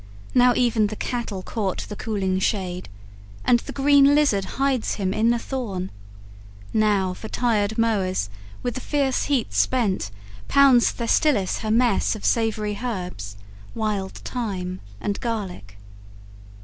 Now even the cattle court the cooling shade And the green lizard hides him in the thorn: Now for tired mowers, with the fierce heat spent, Pounds Thestilis her mess of savoury herbs, Wild thyme and garlic.